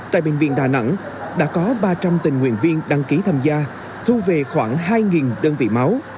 tại bệnh viện đà nẵng đã có ba trăm linh tình nguyện viên đăng ký tham gia thu về khoảng hai đơn vị máu